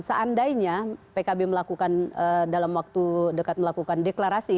seandainya pkb melakukan dalam waktu dekat melakukan deklarasi